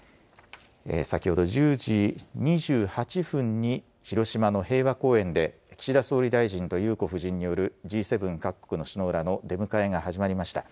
先ほど１０時２８分に広島の平和公園で岸田総理大臣と裕子夫人によるＧ７各国の首脳らの出迎えが始まりました。